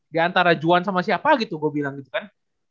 di antara juan sama siapa gitu gue bilang gitu kan